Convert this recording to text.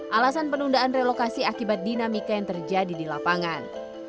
alasan penundaan relokasi akibat dinamika yang terjadi di lapangan